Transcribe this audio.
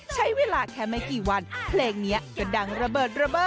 ใช้เวลาแค่ไม่กี่วันเพลงนี้ก็ดังระเบิดระเบิด